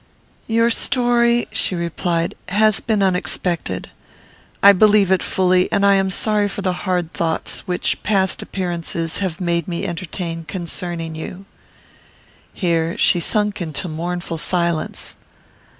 "Your story," she replied, "has been unexpected. I believe it fully, and am sorry for the hard thoughts which past appearances have made me entertain concerning you." Here she sunk into mournful silence.